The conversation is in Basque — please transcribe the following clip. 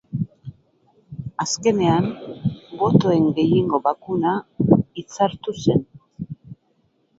Azkenean, botoen gehiengo bakuna hitzartu zen.